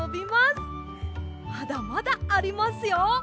まだまだありますよ。